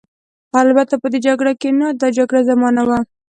البته په دې جګړه کې نه، دا جګړه زما نه وه.